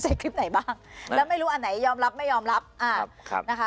คลิปไหนบ้างแล้วไม่รู้อันไหนยอมรับไม่ยอมรับอ่าครับนะคะ